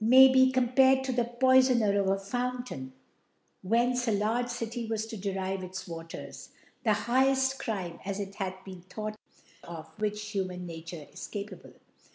niay be compared to the Poifon .er of % Fountain, whence a large City was to derive irs Waters ; the highcll Crime, as it hath been thought, of which Human Na ture is capable.